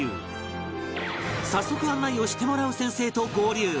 早速案内をしてもらう先生と合流